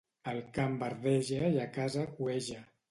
Al camp verdeja i a casa cueja.